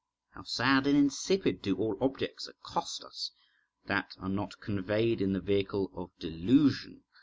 How sad and insipid do all objects accost us that are not conveyed in the vehicle of delusion!